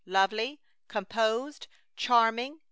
Lovely! Composed! Charming!